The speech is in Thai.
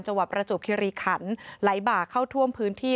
จังหวัดประจูปคลีรีขันไหล่บากเข้าธ่วงพื้นที่